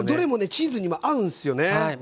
チーズにも合うんすよね。